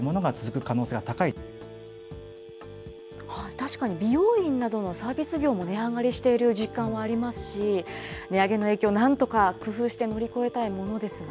確かに美容院などのサービス業も値上がりしている実感はありますし、値上げの影響、なんとか工夫して乗り越えたいものですが。